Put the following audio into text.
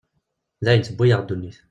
D ayen tewwi-yaɣ ddunit.